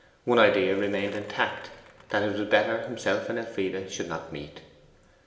One idea remained intact that it was better Elfride and himself should not meet.